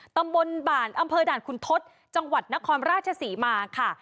ตำบลบ่านอำเภอด่านคุณทศจังหวัดนครราชศรีมาค่ะ